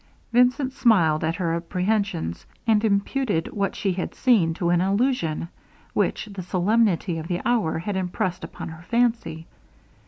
Vincent smiled at her apprehensions, and imputed what she had seen to an illusion, which the solemnity of the hour had impressed upon her fancy.